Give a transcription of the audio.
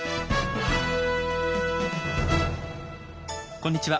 こんにちは